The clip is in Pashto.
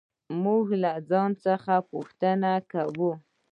موږ له ځان څخه پوښتنې کوو.